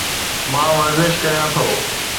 مان ورزش ڪريان ٿو